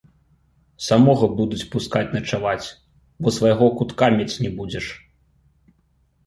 Самога будуць пускаць начаваць, бо свайго кутка мець не будзеш.